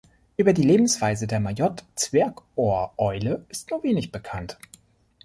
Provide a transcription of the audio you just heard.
Über die Lebensweise der Mayotte-Zwergohreule ist nur wenig bekannt.